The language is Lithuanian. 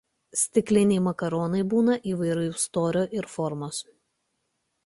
Stikliniai makaronai būna įvairaus storio ir formos.